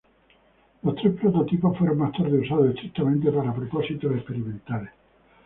Los tres prototipos fueron más tarde usados estrictamente para propósitos experimentales.